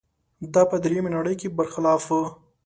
دا په درېیمې نړۍ کې برخلاف و.